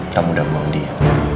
kamu udah mau undi ya